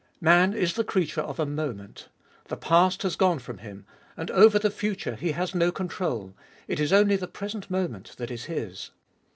Man is the creature of a moment ; the past has gone from him, and over the future he has no control; it is only the present moment that is his.